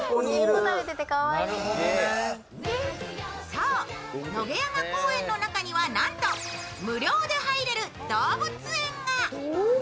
そう、野毛山公園の中にはなんと無料で入れる動物園が。